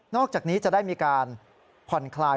อกจากนี้จะได้มีการผ่อนคลาย